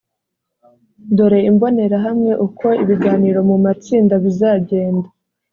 dore imbonerahamwe uko ibiganiro mu matsinda bizagenda